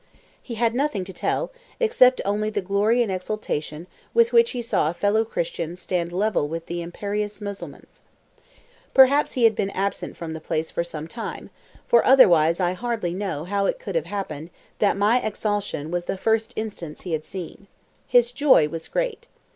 He had nothing to tell, except only the glory and exultation with which he saw a fellow Christian stand level with the imperious Mussulmans. Perhaps he had been absent from the place for some time, for otherwise I hardly know how it could have happened that my exaltation was the first instance he had seen. His joy was great.